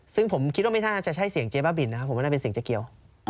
ซึ่งผมคิดว่าไม่น่าจะใช่เสียงเจ๊บ้าบินนะครับผมไม่น่าเป็นเสียงเจ๊เกียว